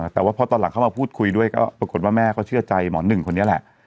แต่ว่าพอตอนหลังเข้ามาพูดคุยด้วยก็ปรากฏว่าแม่ก็เชื่อใจหมอหนึ่งคนนี้แหละ